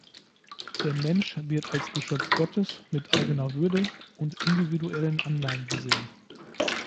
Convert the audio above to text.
Der Mensch wird als Geschöpf Gottes mit eigener Würde und individuellen Anlagen gesehen.